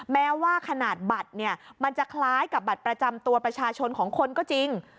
แม้ว่าขนาดบัตรเนี่ยมันจะคล้ายกับบัตรประจำตัวประชาชนของคนก็จริง